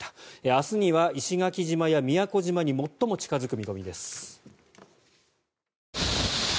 明日には石垣島や宮古島に最も近付く見込みです。